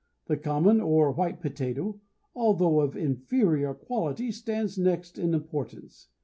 The common or white potato, although of inferior quality, stands next in importance.